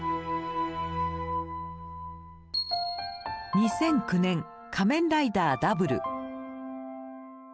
２００９年「仮面ライダーＷ」。